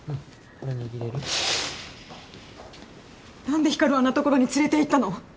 何で光をあんな所に連れていったの？